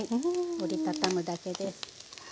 折り畳むだけです。